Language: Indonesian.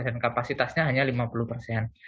dan kapasitasnya hanya lima puluh persen